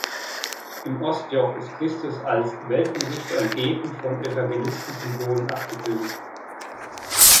Im Ostjoch ist Christus als Weltenrichter umgeben von Evangelistensymbolen abgebildet.